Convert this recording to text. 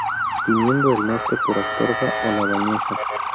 Viniendo del norte por Astorga o La Bañeza.